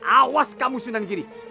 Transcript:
awas kamu sunan giri